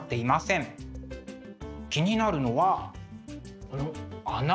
気になるのはこの穴。